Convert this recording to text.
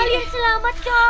kalian selamat kan